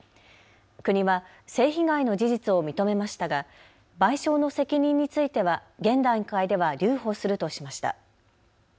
国は性被害の事実を認めましたが賠償の責任については現段階では留保するとしました。